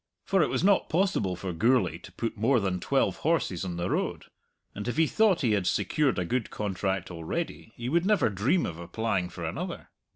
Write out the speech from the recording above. For it was not possible for Gourlay to put more than twelve horses on the road, and if he thought he had secured a good contract already, he would never dream of applying for another.